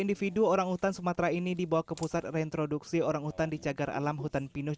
individu orangutan sumatera ini dibawa ke pusat reintroduksi orangutan di cagar alam hutan pinus